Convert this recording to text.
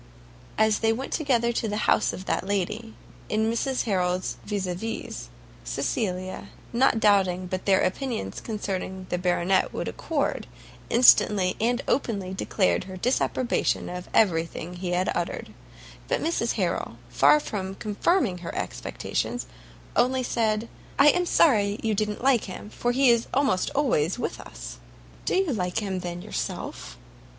As they went together to the house of that lady, in Mrs Harrel's vis a vis, Cecilia, not doubting but their opinions concerning the Baronet would accord, instantly and openly declared her disapprobation of every thing he had uttered; but Mrs Harrel, far from confirming her expectations, only said, "I am sorry you don't like him, for he is almost always with us?" "Do you like him, then, yourself?"